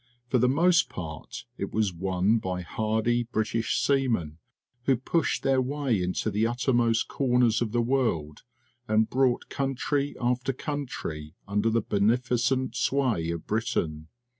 For the most part, it was won by hardy British seamen, who pushed their way into the uttermost corners of the world and brought country after country under the beneficent sway of Britain.